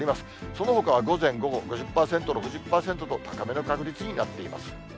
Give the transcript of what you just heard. そのほかは午前、午後、５０％、６０％と、高めの確率になっています。